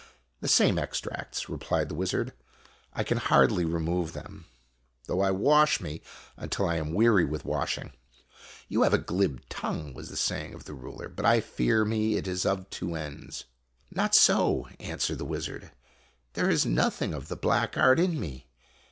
" The same extracts," replied the wizard. " I can hardly remove them, though I wash me until I am weary with washing." PREHISTORIC PHOTOGRAPHY 5 " You have a glib tongue," was the saying of the ruler, "but I fear me it is of two ends." " Not so," answered the wizard ;" there is nothing of the black art in me.